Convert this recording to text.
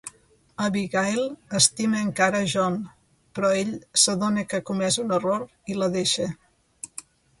Abigail estima encara John, però ell s'adona que ha comès un error i la deixa.